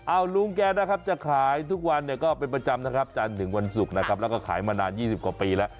เอาลุงแกนะครับจะขายทุกวันเนี่ยก็เป็นประจำนะครับจันทร์ถึงวันศุกร์นะครับแล้วก็ขายมานาน๒๐กว่าปีแล้ว